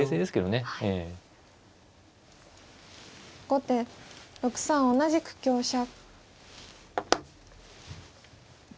後手６三同じく香車。